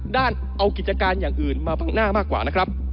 ด้านเอากิจการอย่างอื่นมาบังหน้ามากกว่านะครับ